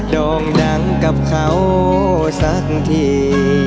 โด่งดังกับเขาสักที